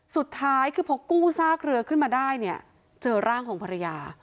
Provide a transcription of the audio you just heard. สุดท้ายคือพอกู้ซากเรือขึ้นมาได้เนี่ยเจอร่างของภรรยา